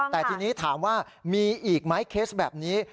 แต่ทีนี้ถามว่ามีอีกไหมเคสแบบนี้